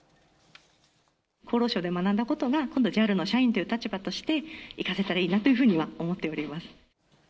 厚労省で学んだことが今度、ＪＡＬの社員の立場として、生かせたらいいなというふうには思っております。